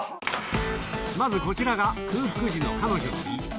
まずこちらが空腹時の彼女の胃。